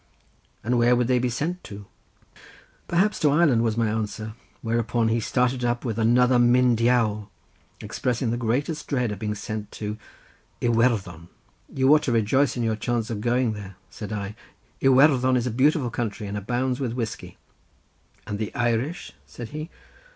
"And where would they be sent to?" "Perhaps to Ireland," was my answer, whereupon he started up with another Myn Diawl, expressing the greatest dread of being sent to Iwerddon. "You ought to rejoice in your chance of going there," said I, "Iwerddon is a beautiful country, and abounds with whiskey." "And the Irish?" said he.